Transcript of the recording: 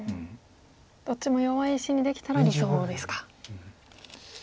どっちも弱い石にできたら理想ですか。